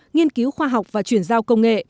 nghiên cứu khoa học và chuyển giao công nghệ